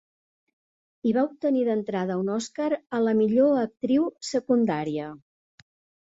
Hi va obtenir d'entrada un Oscar a la millor actriu secundària.